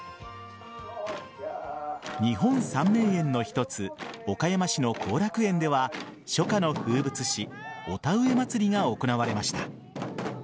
日本３名園の一つ岡山市の後楽園では初夏の風物詩お田植え祭が行われました。